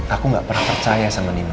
aku gak pernah percaya sama nino